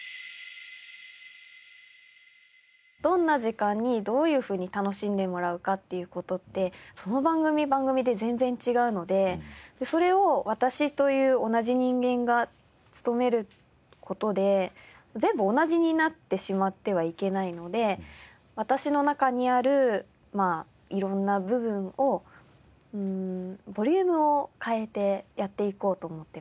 どんな時間にどういうふうに楽しんでもらうかっていう事ってその番組番組で全然違うのでそれを私という同じ人間が務める事で全部同じになってしまってはいけないので私の中にある色んな部分をボリュームを変えてやっていこうと思ってますね。